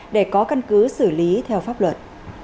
để có căn cứ xử lý theo pháp luật